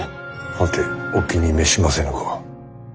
はてお気に召しませぬか？